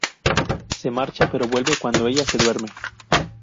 Se marcha, pero vuelve cuando ella se duerme.